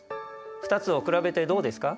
２つを比べてどうですか？